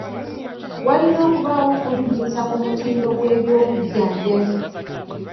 Walina okubaawo okulinnyisa ku mutindo gw'ebyobujjanjabi.